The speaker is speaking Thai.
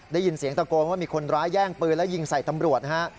ได้ยินเสียงตะโกนว่ามีคนร้ายแย่งปืนแล้วยิงใส่ตำรวจนะฮะ